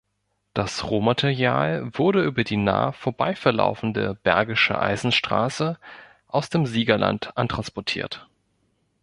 Das Rohmaterial wurde über die nah vorbei verlaufende Bergische Eisenstraße aus dem Siegerland antransportiert.